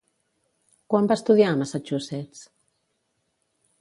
Quan va estudiar a Massachusetts?